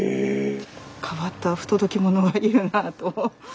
変わった不届き者がいるなと。